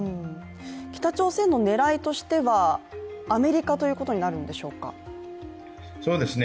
北朝鮮の狙いとしてはアメリカということになるんでしょうか？